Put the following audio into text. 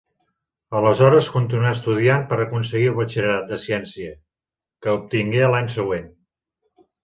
Aleshores continuà estudiant per a aconseguir el batxillerat de ciència, que obtingué l'any següent.